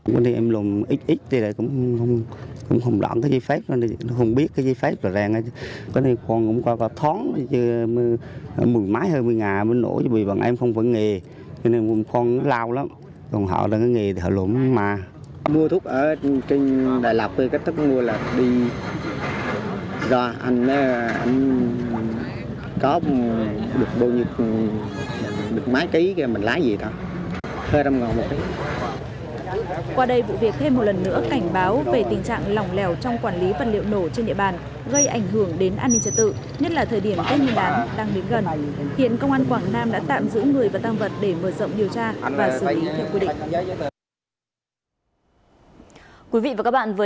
qua đây vụ việc thêm một lần nữa cảnh báo về tình trạng lòng lèo trong quản lý vật liệu nổ trên địa bàn